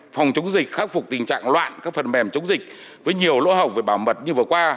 phòng chống dịch khắc phục tình trạng loạn các phần mềm chống dịch với nhiều lỗ hỏng về bảo mật như vừa qua